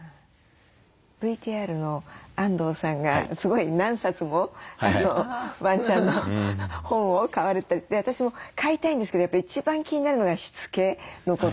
ＶＴＲの安藤さんがすごい何冊もワンちゃんの本を買われてて私も飼いたいんですけど一番気になるのがしつけのこと。